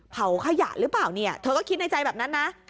เผาขยะหรือเปล่าเนี่ยเธอก็คิดในใจแบบนั้นนะ